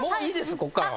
ここからは。